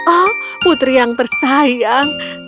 oh putri yang tersayang